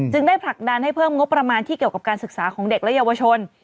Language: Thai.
ได้ผลักดันให้เพิ่มงบประมาณที่เกี่ยวกับการศึกษาของเด็กและเยาวชน